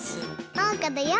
おうかだよ！